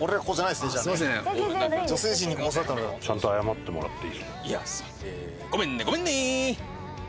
ちゃんと謝ってもらっていいですか？